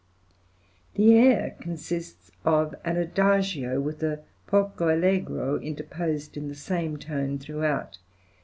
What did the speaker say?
The air consists of an Adagio with a Poco allegro interposed in the same tone throughout.